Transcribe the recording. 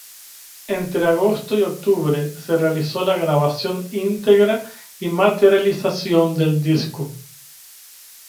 Entre agosto y octubre se realizó la grabación integra y materialización del disco.